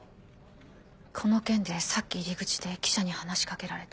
この件でさっき入り口で記者に話し掛けられた。